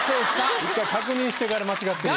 一回確認してから間違ってる。